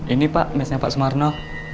ini pak mesnya pak semarno